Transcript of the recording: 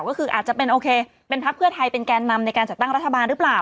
ก็คืออาจจะเป็นโอเคเป็นพักเพื่อไทยเป็นแกนนำในการจัดตั้งรัฐบาลหรือเปล่า